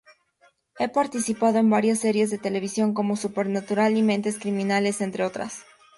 Ha participado en varias series de televisión como Supernatural y Mentes criminales, entre otras.